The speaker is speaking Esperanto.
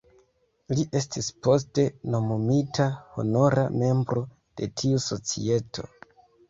Li estis poste nomumita honora membro de tiu Societo.